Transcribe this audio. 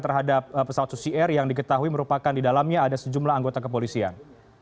terhadap pesawat susi air yang diketahui merupakan di dalamnya ada sejumlah anggota kepolisian